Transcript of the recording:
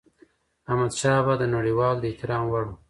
احمدشاه بابا د نړيوالو د احترام وړ و.